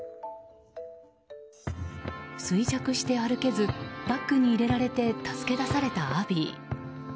衰弱して歩けずバッグに入れられて助け出されたアビー。